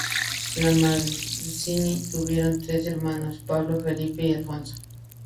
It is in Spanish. Las Mancini tuvieron tres hermanos: Pablo, Felipe y Alfonso.